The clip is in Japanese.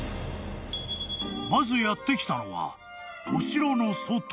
［まずやって来たのはお城の外］